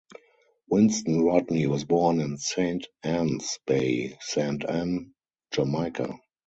Winston Rodney was born in Saint Ann's Bay, Saint Ann, Jamaica.